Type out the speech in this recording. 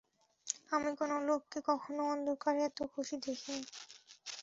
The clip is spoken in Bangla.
আমি কোনো লোককে কখনো অন্ধকারে এতো খুশি দেখিনি।